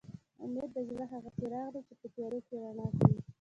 اميد د زړه هغه څراغ دي چې په تيارو کې رڼا کوي